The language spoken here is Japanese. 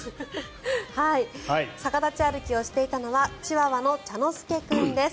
逆立ち歩きをしていたのはチワワの茶ノ助君です。